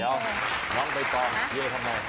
เดี๋ยวน้องใบตองเที่ยวทำไม